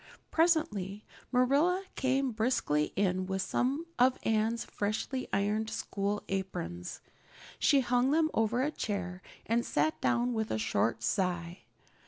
Presently Marilla came briskly in with some of Anne's freshly ironed school aprons. She hung them over a chair and sat down with a short sigh.